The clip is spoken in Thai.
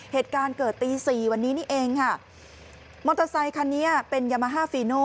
เหตุการณ์เกิดตีสี่วันนี้นี่เองค่ะมอเตอร์ไซคันนี้เป็นยามาฮาฟีโน